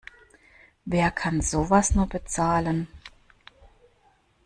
Wer kann sowas nur bezahlen?